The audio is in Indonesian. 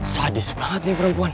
sadis banget nih perempuan